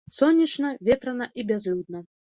Сонечна, ветрана і бязлюдна.